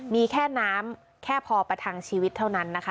มีแค่น้ำแค่พอประทังชีวิตเท่านั้นนะคะ